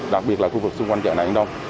đặc biệt là khu vực xung quanh chợ này đông